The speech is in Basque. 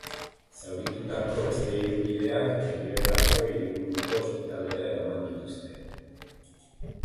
Zauritutako beste hiru kideak erriberako hiriburuko ospitalera eraman dituzte.